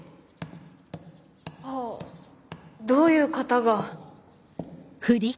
はぁどういう方が。